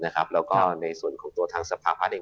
แล้วก็ในส่วนของตัวทางสภาพัฒน์เอง